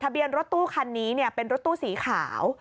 เบียนรถตู้คันนี้เป็นรถตู้สีขาว